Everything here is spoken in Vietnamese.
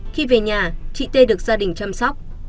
khi về nhà chị t được gia đình chăm sóc